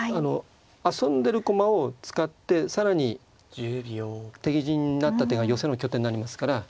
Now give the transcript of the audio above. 遊んでる駒を使って更に敵陣に成った手が寄せの拠点になりますから。